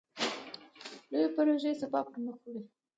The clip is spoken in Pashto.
لویې پروژې سپاه پرمخ وړي.